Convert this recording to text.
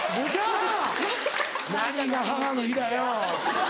「何が母の日だよ」。